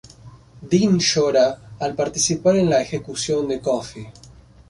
Dean llora al participar en la ejecución de Coffey.